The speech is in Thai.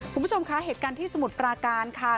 คุณผู้ชมคะเหตุการณ์ที่สมุทรปราการค่ะ